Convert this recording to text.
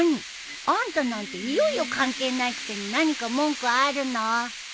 あんたなんていよいよ関係ないくせに何か文句あるの？